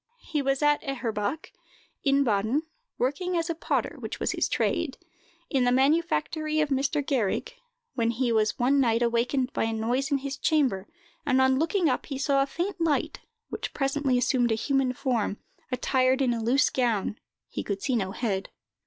He was at Eherbach, in Baden, working as a potter, which was his trade, in the manufactory of Mr. Gehrig, when he was one night awakened by a noise in his chamber, and, on looking up, he saw a faint light, which presently assumed a human form, attired in a loose gown; he could see no head.